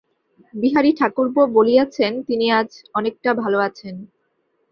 বিহারী-ঠাকুরপো বলিয়াছেন, তিনি আজ অনেকটা ভালো আছেন।